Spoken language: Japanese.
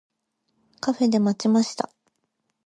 カフェで待ちました。